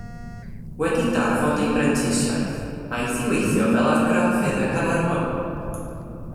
Wedi darfod ei brentisiaeth aeth i weithio fel argraffydd yng Nghaernarfon.